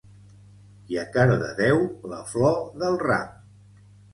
I a Cardedeu la flor del ram